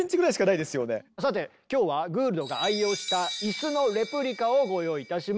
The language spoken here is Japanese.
さて今日はグールドが愛用した椅子のレプリカをご用意いたしました。